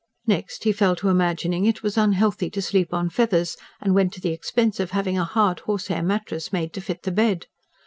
Next he fell to imagining it was unhealthy to sleep on feathers, and went to the expense of having a hard horsehair mattress made to fit the bed.